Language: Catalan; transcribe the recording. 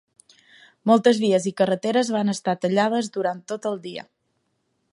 Moltes vies i carreteres van estar tallades durant tot el dia.